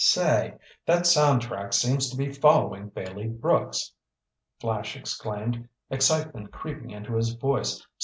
"Say, that sound truck seems to be following Bailey Brooks!" Flash exclaimed, excitement creeping into his voice.